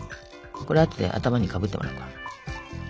これあとで頭にかぶってもらうから。